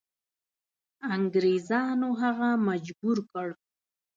انګریزانو هغه مجبور کړ.